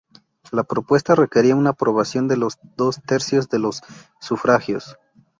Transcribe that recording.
La propuesta requería una aprobación de los dos tercios de los sufragios.